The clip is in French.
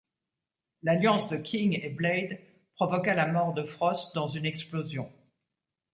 L'alliance de King et Blade provoqua la mort de Frost, dans une explosion.